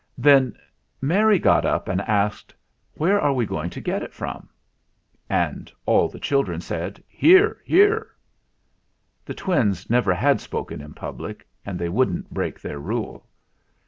Then Mary got up and asked : "Where are we going to get it from ?" And all the children said : "Hear, hear !" The twins never had spoken in public, and they wouldn't break their rule.